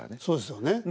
そうですよね。